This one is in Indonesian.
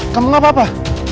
kamu gak apa apa